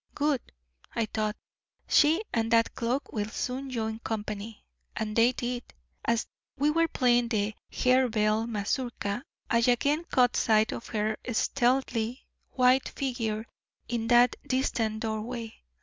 'Good!' thought I, 'she and that cloak will soon join company.' And they did. As we were playing the Harebell mazurka I again caught sight of her stealthy white figure in that distant doorway.